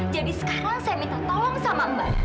jadi sekarang saya minta tolong sama mbak